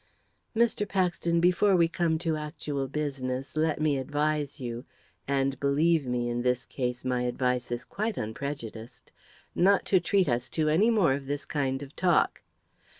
"Mr. Paxton, before we come to actual business, let me advise you and, believe me, in this case my advice is quite unprejudiced not to treat us to any more of this kind of talk!